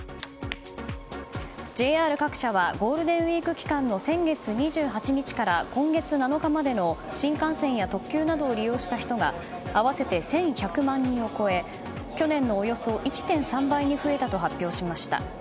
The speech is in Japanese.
ＪＲ各社はゴールデンウィーク期間の先月２８日から今月７日までの新幹線や特急などを利用した人が合わせて１１００万人を超え去年のおよそ１．３倍に増えたと発表しました。